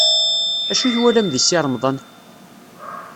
Acu i twalam deg Si Remḍan?